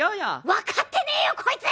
分かってねえよこいつ！